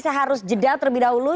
saya harus jeda terlebih dahulu